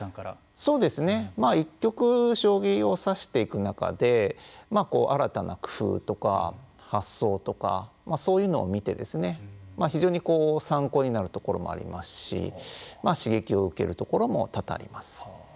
そうですね、まあ一局、将棋を指していく中で新たな工夫とか、発想とかそういうのを見て、非常に参考になるところもありますし刺激を受けるところも多々あります。